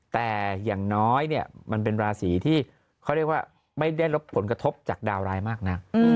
แต่อย่างน้อยเนี่ยมันเป็นราศีที่เขาเรียกว่าไม่ได้รับผลกระทบจากดาวร้ายมากนัก